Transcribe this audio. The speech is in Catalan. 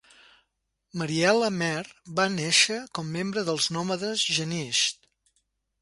Mariella Mehr va néixer com membre dels nòmades jenischs.